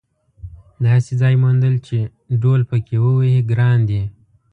داسې ځای موندل چې ډهل پکې ووهې ګران دي.